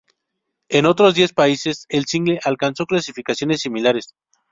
En otros diez países, el single alcanzó clasificaciones similares.